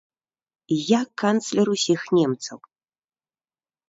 Я канцлер усіх немцаў.